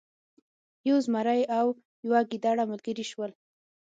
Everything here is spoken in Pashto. یو زمری او یو ګیدړه ملګري شول.